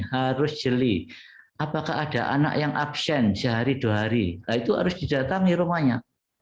harus jeli apakah ada anak yang absen sehari dua hari itu harus didatangi rumahnya